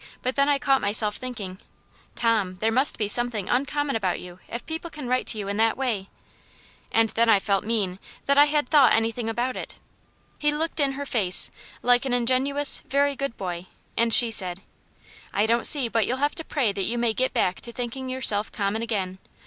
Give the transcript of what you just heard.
But then I caught myself thinking, 'Tom, there must be something uncommon about you if people can write to you in that way!' And then I felt mean that I had 226 Atutt Jane*s Hero. thought anything about it.'* He looked in her face like an ingenuous, very good boy, and she said :" I don't see but you'll have to pray that you may get back to thinking yourself common again.